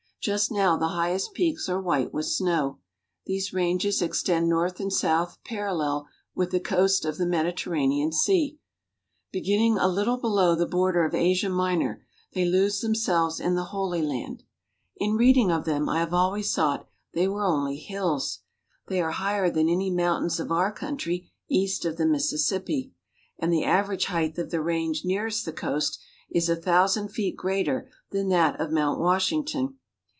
Just now the highest peaks are white with snow. These ranges ex tend north and south parallel with the coast of the Mediterranean Sea. Beginning a little below the bor der of Asia Minor, they lose themselves in the Holy Land. In reading of them I have always thought they were only hills. They are higher than any mountains of our coun try east of the Mississippi, and the average height of the range nearest the coast is a thousand feet greater than that of Mount Washington.